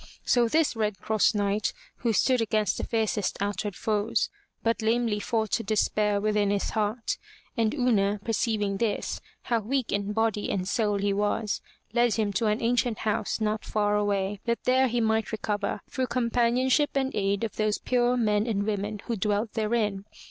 So this Red Cross Knight, who stood against the fiercest outward foes, but lamely fought despair within his heart, and Una, perceiving this, how weak in body and soul he was, led him to an ancient house not far away, that there he might recover, through companionship and aid of those pure men and women who dwelt therein.